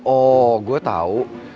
oh gue tau